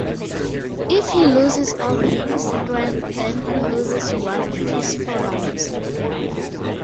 If he loses all his strength then he loses one of his four lives.